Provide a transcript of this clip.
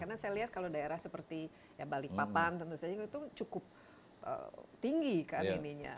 karena saya lihat kalau daerah seperti balikpapan tentu saja itu cukup tinggi kan ininya